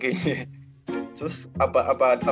covid protokolnya kan lebih aman kayaknya